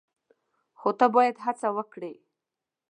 خو ته باید هڅه وکړې !